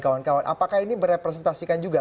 kawan kawan apakah ini merepresentasikan juga